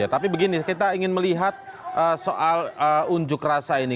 tapi begini kita ingin melihat soal unjuk rasa ini